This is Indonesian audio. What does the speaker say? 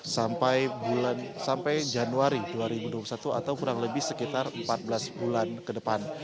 sampai bulan sampai januari dua ribu dua puluh satu atau kurang lebih sekitar empat belas bulan ke depan